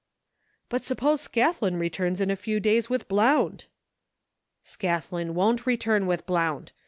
" But suppose Scathlin returns in a few days with Blount" " Scathlin won't return with Blount.